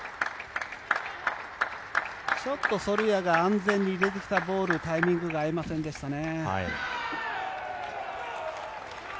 ちょっとソルヤが安全に出てきたボールとタイミングが合いませんでしたね。